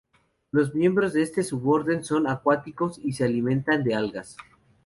Los miembros de este suborden son acuáticos y se alimentan de algas.